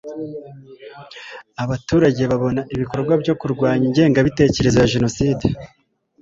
abaturage babona ibikorwa byo kurwanya ingengabitekerezo ya jenoside